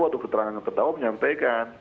waktu keterangan tertera menyampaikan